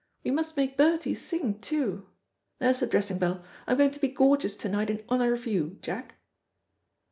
We must make Bertie sing too. There's the dressing bell. I'm going to be gorgeous to night in honour of you, Jack."